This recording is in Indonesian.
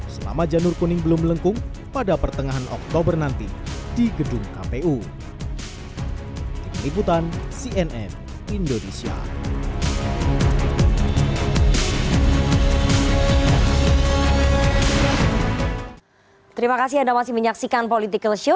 selama janur kuning belum melengkung pada pertengahan oktober nanti di gedung kpu